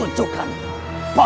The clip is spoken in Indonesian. ini adalah rumput yang terbaik